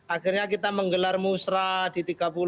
akhirnya kita menggelar musrah di tiga puluh